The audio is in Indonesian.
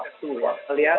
kita melihat dalam bahasa